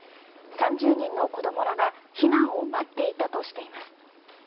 ３０人の子供らが避難を待っていたとしています。